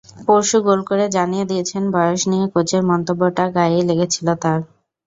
পরশু গোল করে জানিয়ে দিয়েছেন, বয়স নিয়ে কোচের মন্তব্যটা গায়েই লেগেছিল তাঁর।